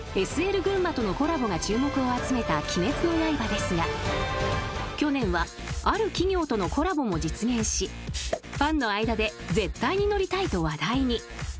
ぐんまとのコラボが注目を集めた『鬼滅の刃』ですが去年はある企業とのコラボも実現しファンの間で「絶対に乗りたい」と話題に］